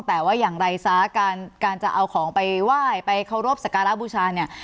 แต่ว่าอย่างไรซะการจะเอาของไปไหว้ไปเคารพสการะบูชาเนี่ย